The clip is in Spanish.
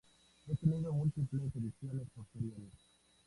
Ha tenido múltiples ediciones posteriores.